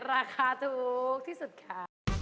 ราคาถูกที่สุดค่ะ